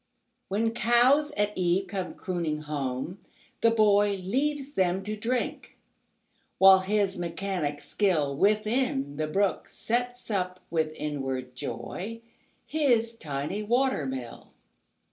When cows at eve come crooning home, the boyLeaves them to drink, while his mechanic skillWithin the brook sets up, with inward joy, His tiny water mill.